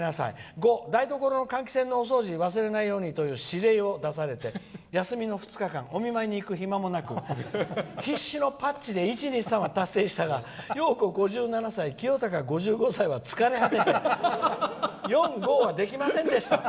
５、台所の換気扇の掃除と指令を出されて休みの２日間お見舞いに行く暇もなく必死のパッチで１、２、３は達成したがようこ、きよたかは疲れ果てて４、５はできませんでした。